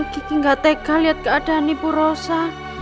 gigi gak tega melihat keadaan ibu rosa